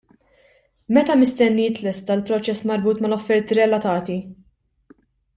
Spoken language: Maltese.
Meta mistenni jitlesta l-proċess marbut mal-offerti relatati?